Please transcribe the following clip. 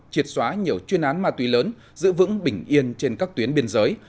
triệt xóa nhiều chuyên án ma túy lớn giữ vững bình yên trên các tuyến biên giới